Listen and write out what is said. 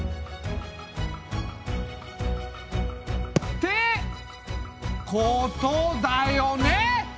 ってことだよね！